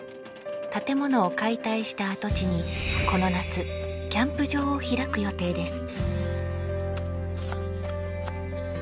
建物を解体した跡地にこの夏キャンプ場を開く予定です。